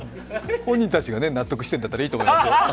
本人たちが納得してるんだったらいいと思いますよ。